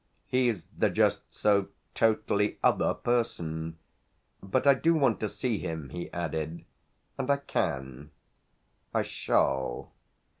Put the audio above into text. He's the just so totally other person. But I do want to see him," he added. "And I can. And I shall."